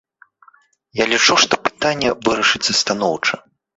Я лічу, што пытанне вырашыцца станоўча.